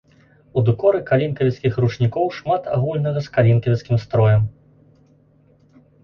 У дэкоры калінкавіцкіх ручнікоў шмат агульнага з калінкавіцкім строем.